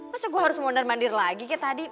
masa gue harus mundur mandir lagi kayak tadi